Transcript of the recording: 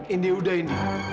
indi udah indi